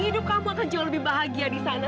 hidup kamu akan jauh lebih bahagia disana